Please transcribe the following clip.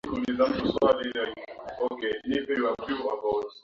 kikwete alisoma shule ya sekondari kibaha